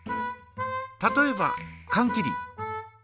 例えばかん切り。